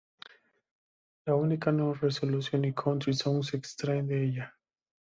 La única No Resolution y Country Song se extraen de ella.